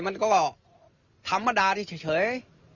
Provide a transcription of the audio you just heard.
มันก็ธรรมดาเฉย